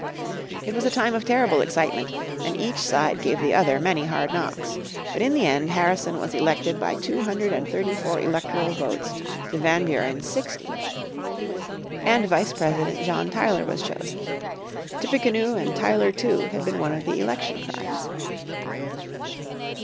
It was a time of terrible excitement, and each side gave the other many hard knocks. But in the end Harrison was elected by two hundred and thirty four electoral votes to Van Buren's sixty. As Vice President John Tyler was chosen. "Tippecanoe and Tyler too" had been one of the election cries.